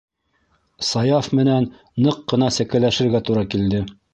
- Саяф менән ныҡ ҡына сәкәләшергә тура килде.